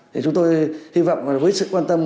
thì chúng tôi hy vọng với sự quan tâm